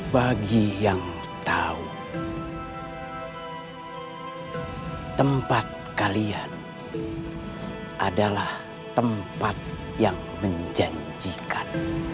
bagi yang tahu tempat kalian adalah tempat yang menjanjikan